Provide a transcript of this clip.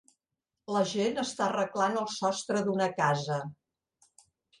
La gent està arreglant el sostre d'una casa